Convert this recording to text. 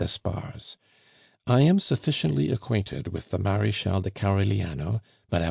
d'Espard's. I am sufficiently acquainted with the Marechale de Carigliano, Mme.